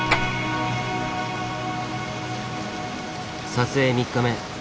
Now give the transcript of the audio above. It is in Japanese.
撮影３日目。